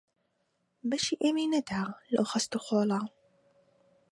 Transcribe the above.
بەشی ئێمەی نەدا لەو خەست و خۆڵە